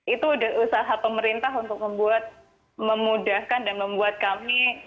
itu usaha pemerintah untuk membuat memudahkan dan membuat kami